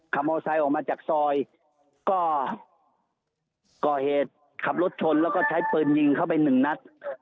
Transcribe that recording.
โมไซค์ออกมาจากซอยก็ก่อเหตุขับรถชนแล้วก็ใช้ปืนยิงเข้าไปหนึ่งนัด